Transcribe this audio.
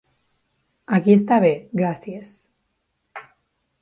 Aquí està bé, gràcies.